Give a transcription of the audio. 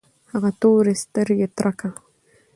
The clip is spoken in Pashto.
هغه تورې سترګې ترکه